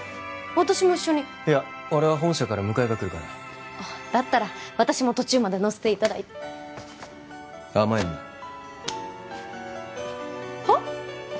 私も一緒にいや俺は本社から迎えが来るからだったら私も途中まで乗せていただいて甘えんなはっ？